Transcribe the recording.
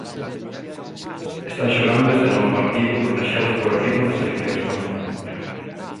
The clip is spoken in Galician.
Están xogando este novo partido contaxiados polo ritmo da selección española.